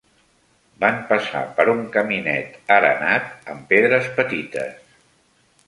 Van passar per un caminet, arenat amb pedres petites